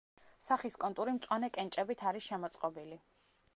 სახის კონტური მწვანე კენჭებით არის შემოწყობილი.